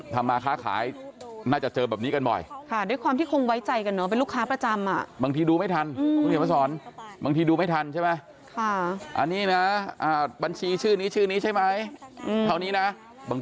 ผมเชื่อว่าท่านผู้ชมทำมาค้าขายน่าจะเจอแบบนี้กันบ่อย